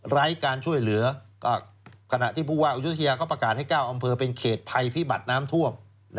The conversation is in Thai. ไร้การช่วยเหลือขณะที่ผู้ว่าอุยุธยาเขาประกาศให้๙อำเภอเป็นเขตภัยพิบัติน้ำท่วม